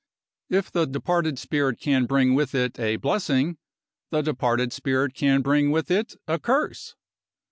If the departed spirit can bring with it a blessing, the departed spirit can bring with it a curse.